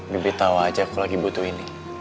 bibi tau aja aku lagi butuh ini